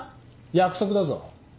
約束だぞ。